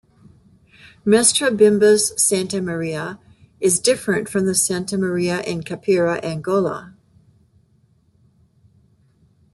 Mestre Bimba's Santa Maria is different from the Santa Maria in Capoeira Angola.